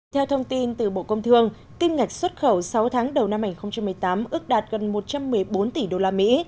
theo thông tin từ bộ công thương kim ngạch xuất khẩu sáu tháng đầu năm hai nghìn một mươi tám ước đạt gần một trăm một mươi bốn tỷ đô la mỹ